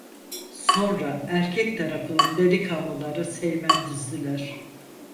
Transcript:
Sonra erkek tarafının delikanlıları Seymen düzdüler.